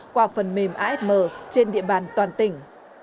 qua phần mềm asm trên địa bàn toàn tỉnh